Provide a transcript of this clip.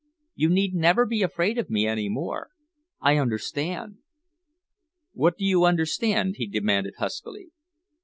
You need never be afraid of me any more. I understand." "What do you understand?" he demanded huskily.